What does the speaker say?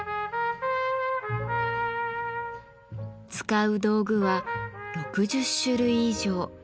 使う道具は６０種類以上。